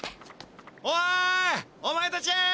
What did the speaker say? おいおまえたち！